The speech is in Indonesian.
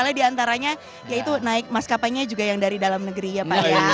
ada di antaranya yaitu naik maskapainya juga yang dari dalam negeri ya pak ya